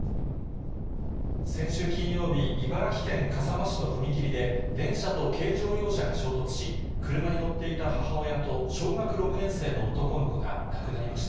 先週金曜日、茨城県笠間市の踏切で、電車と軽乗用車が衝突し、車に乗っていた母親と小学６年生の男の子が亡くなりました。